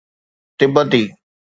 تبتي